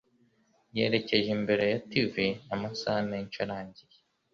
Yerekeje imbere ya TV amasaha menshi arangiye.